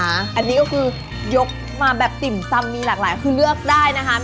อันนี้ก็คือยกมาแบบติ่มซำมีหลากหลายคือเลือกได้นะคะ